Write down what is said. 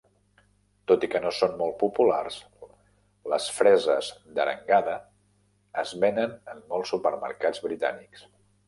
Tot i que no són molt populars, les freses d'arengada es venen en molts supermercats britànics.